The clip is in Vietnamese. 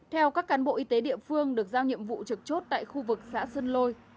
theo các cán bộ y tế địa phương được giao nhiệm vụ trực chốt tại khu vực xã sơn lôi